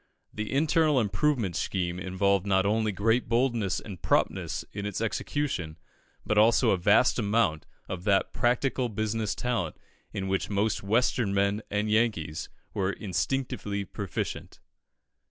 The internal improvement scheme involved not only great boldness and promptness in its execution, but also a vast amount of that practical business talent in which most "Western men" and Yankees are instinctively proficient.